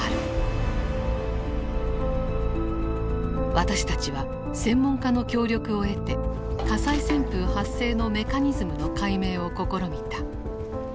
私たちは専門家の協力を得て火災旋風発生のメカニズムの解明を試みた。